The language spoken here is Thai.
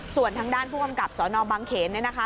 ส่วนทางด้านผู้กำกับสนบังเขนเนี่ยนะคะ